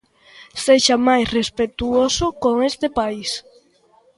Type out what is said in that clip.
Sexa máis respectuoso con este país.